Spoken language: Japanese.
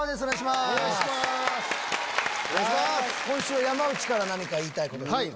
今週は山内から言いたいことがある。